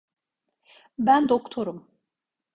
Ben doktorum.